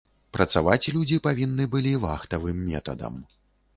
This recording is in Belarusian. Працаваць людзі павінны былі вахтавым метадам.